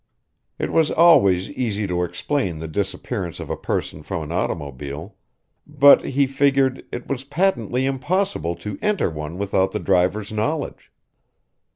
It was always easy to explain the disappearance of a person from an automobile; but, he figured, it was patently impossible to enter one without the driver's knowledge.